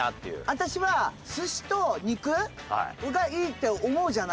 私は寿司と肉がいいって思うじゃない。